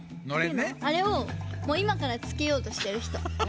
あれをいまからつけようとしてる人。